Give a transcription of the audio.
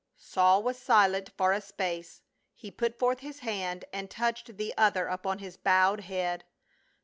Saul was silent for a space ; he put forth his hand and touched the other upon his bowed head.